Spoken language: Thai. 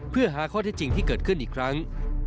เพื่อหาข้อเท็จจริงที่เกิดขึ้นอีกครั้ง